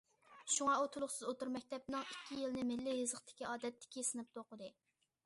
شۇڭا ئۇ تولۇقسىز ئوتتۇرا مەكتەپنىڭ ئىككى يىلىنى مىللىي يېزىقتىكى ئادەتتىكى سىنىپتا ئوقۇدى.